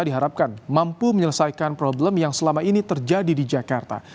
diharapkan mampu menyelesaikan problem yang selama ini terjadi di jakarta